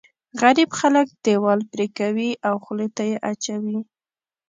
غريب خلک دیوال پرې کوي او خولې ته یې اچوي.